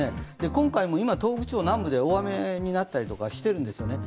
今回も今、東北地方南部で大雨になったりしているんですね。